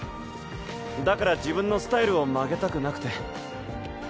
だから自分のスタイルを曲げたくなくて。